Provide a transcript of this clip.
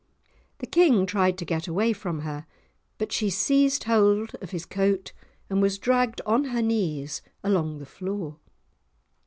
The King tried to get away from her, but she seized hold of his coat, and was dragged on her knees along the floor.